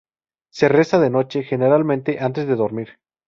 Se rezan de noche, generalmente antes de dormir.